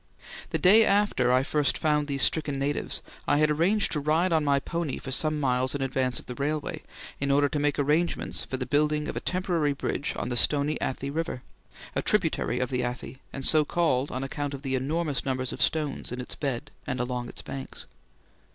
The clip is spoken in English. The day after I first found these stricken natives I had arranged to ride on my pony for some miles in advance of the railway, in order to make arrangements for the building of a temporary bridge over the Stony Athi River a tributary of the Athi, and so called on account of the enormous numbers of stones in its bed and along its banks.